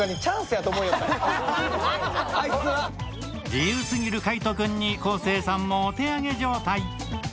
自由すぎる海音君に昴生さんもお手上げ状態。